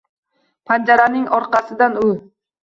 Panjaraning orqasidan u